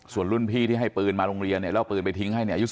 ส่วนรุ่นพี่ที่ให้ปืนมาโรงเรียนเนี่ยแล้วเอาปืนไปทิ้งให้เนี่ยอายุ